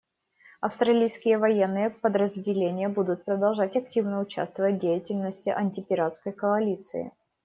Австралийские военные подразделения будут продолжать активно участвовать в деятельности антипиратской коалиции.